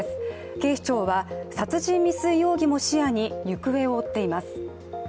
警視庁は殺人未遂容疑も視野に行方を追っています。